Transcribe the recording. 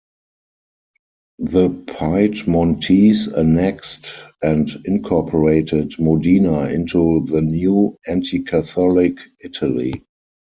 The Piedmontese annexed and incorporated Modena into the new, anti-Catholic Italy.